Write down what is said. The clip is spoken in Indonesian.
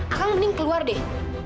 akang mending keluar deh